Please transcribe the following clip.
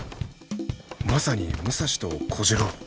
まさに武蔵と小次郎。